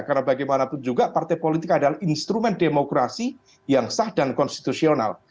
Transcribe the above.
karena bagaimanapun juga partai politik adalah instrumen demokrasi yang sah dan konstitusional